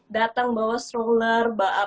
dateng bawa stroller